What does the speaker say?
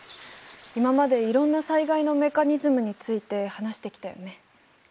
今までいろんな災害のメカニズムについて話してきたよね。